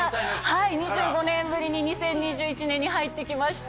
はい２５年ぶりに２０２１年に入ってきまして。